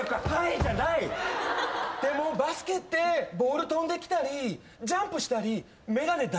でもバスケってボール飛んできたりジャンプしたり眼鏡大丈夫なんですか？